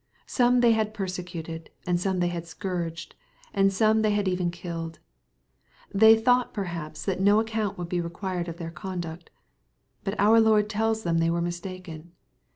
Some they had persecuted, and some they had scourged, tnd some they had even killed. They thought perhaps that no account would be required of their conduct. But our Lord tells them they were mistaken.